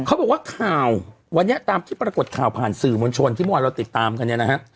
เขาบอกว่าข่าววันนี้ตามที่ปรากฏข่าวผ่านสื่อมวลชนที่เมื่อวานเราติดตามกันเนี่ยนะฮะ